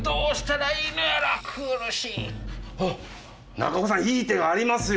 中岡さんいい手がありますよ！